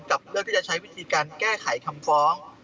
เลือกที่จะใช้วิธีการแก้ไขคำฟ้อง